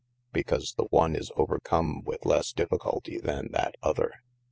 because the one is overcome with lesse difficultye then that other.